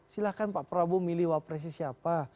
silahkan pak prabowo milih wak presiden siapa